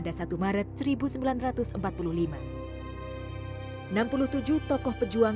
masih penuh keperluan